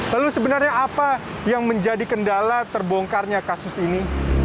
lalu sebenarnya apa yang menjadi kendala terbongkarnya kasus ini